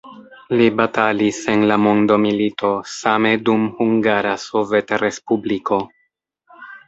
Li batalis en la mondomilito, same dum Hungara Sovetrespubliko.